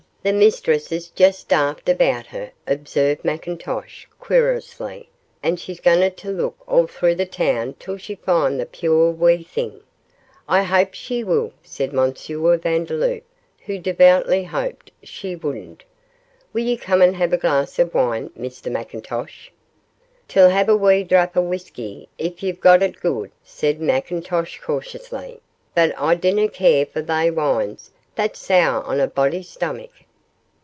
'The mistress is joost daft aboot her,' observed McIntosh, querulously; 'and she's ganging tae look all thro' the toun tae find the puir wee thing.' 'I hope she will!' said M. Vandeloup, who devoutly hoped she wouldn't. 'Will you come and have a glass of wine, Mr McIntosh?' 'Til hae a wee drappy o' whusky if ye've got it gude,' said McIntosh, cautiously, 'but I dinna care for they wines that sour on a body's stomach.